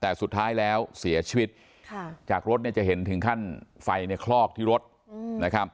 แต่สุดท้ายแล้วเสียชีวิตจากรถเนี่ยจะเห็นถึงขั้นไฟเนี่ยคลอกที่รถนะครับ